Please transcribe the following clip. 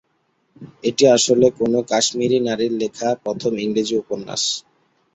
এটি আসলে কোনো কাশ্মীরি নারীর লেখা প্রথম ইংরেজি উপন্যাস।